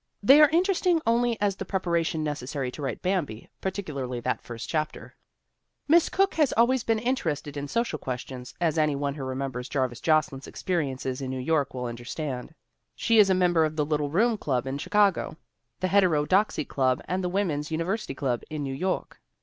They are interesting only as the preparation necessary to write Bambi, particularly that first chapter. Miss Cooke has always been inter 242 THE WOMEN WHO MAKE OUR NOVELS ested in social questions, as any one who remembers Jarvis Jocelyn's experiences in New York will under stand. She is a member of the Little Room Club in Chicago, the Heterodoxy Club and the Women's Uni versity Club in New York.